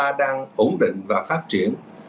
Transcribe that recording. chúng ta đang ổn định và phát triển